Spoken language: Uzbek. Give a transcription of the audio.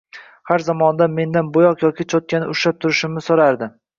Har zamonda mendan bo`yoq yoki cho`tkani ushlab turishimni so`rardi